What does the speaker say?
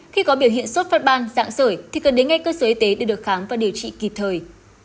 khi có biểu hiện sốt phát ban dạng sởi thì cần đến ngay cơ sở y tế để được khám và điều trị kịp thời